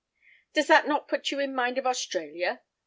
"Does not that put you in mind of Australia?"